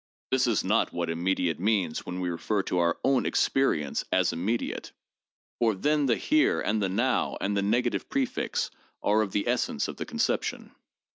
This is not what immediate means when we refer to our own experience as immediate, for then the here and the now, and the negative prefix, are of the essence of the conception.